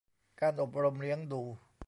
การอบรมเลี้ยงดู